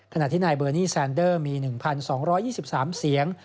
ขณะที่นายเบอร์นี่แซนเดอร์มี๑๒๒๓เสียง